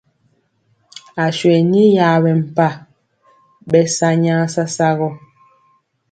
Aswe ni yaɓɛ mpa, ɓɛ sa nyaa sasa gɔ.